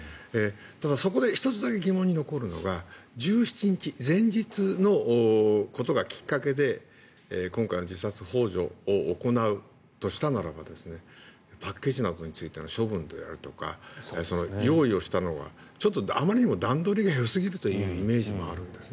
ただそこで１つだけ疑問に残るのが１７日、前日のことがきっかけで今回の自殺ほう助を行うとしたならばパッケージなどについての処分であるとか用意をしたのはちょっとあまりにも段取りがよすぎるというイメージもあるんです。